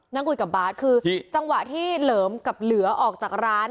นั่งคุยกับบาทคือจังหวะที่เหลิมกับเหลือออกจากร้าน